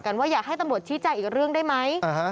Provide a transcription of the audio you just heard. ตัวเลยไม่ได้ให้ตำรวจชี้จ้างอีกเรื่องได้ไหม